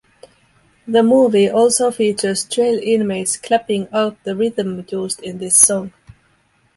The movie also features jail inmates clapping out the rhythm used in this song.